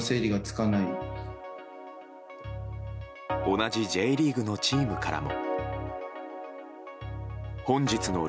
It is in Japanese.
同じＪリーグのチームからも。